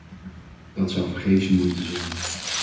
Dat zou vergeefse moeite zijn.